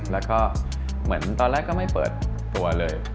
แล้วก็เหมือนตอนแรกก็ไม่เปิดตัวเลย